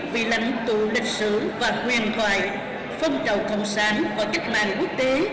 vị lãnh tụ lịch sử và huyền thoại phong trào cộng sản và cách mạng quốc tế